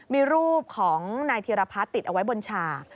มีรูปของนายเทียรพาตติดเอาไว้บนฉาก